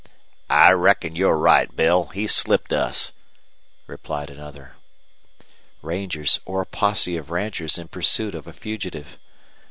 "I reckon you're right, Bill. He's slipped us," replied another. Rangers or a posse of ranchers in pursuit of a fugitive!